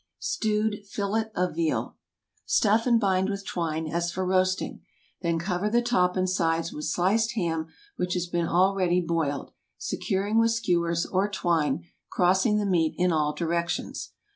STEWED FILLET OF VEAL. Stuff, and bind with twine as for roasting. Then cover the top and sides with sliced ham which has been already boiled, securing with skewers, or twine crossing the meat in all directions.